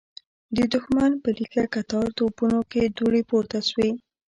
د دښمن په ليکه کتار توپونو کې دوړې پورته شوې.